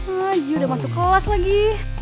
aji udah masuk kelas lagi